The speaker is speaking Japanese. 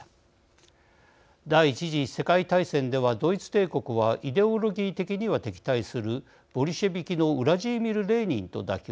第１次世界大戦ではドイツ帝国はイデオロギー的には敵対するボリシェビキのウラジーミル・レーニンと妥協。